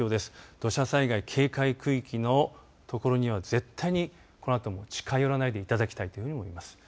土砂災害警戒区域のところには絶対に、このあとも近寄らないでいただきたいというふうに思います。